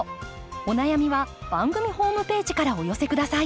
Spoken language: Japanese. お悩みは番組ホームページからお寄せ下さい。